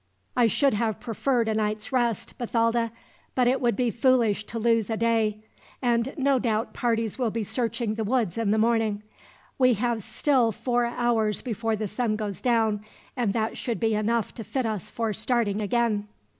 "I should have preferred a night's rest, Bathalda; but it would be foolish to lose a day, and no doubt parties will be searching the woods in the morning. We have still four hours before the sun goes down, and that should be enough to fit us for starting again."